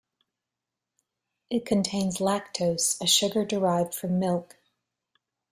It contains lactose, a sugar derived from milk.